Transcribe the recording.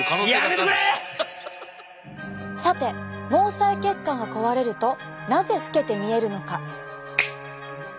さて毛細血管が壊れるとなぜ老けて見えるのか？